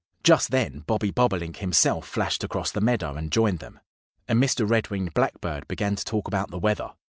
Just then Bobby Bobolink himself flashed across the meadow and joined them. And Mr. Red winged Blackbird began to talk about the weather.